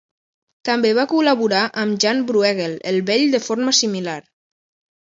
També va col·laborar amb Jan Brueghel el Vell de forma similar.